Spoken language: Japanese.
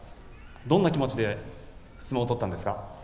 どんな気持ちで相撲を取ったんですか？